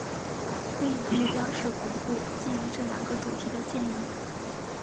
会议的目标是巩固基于这两个主题的建议。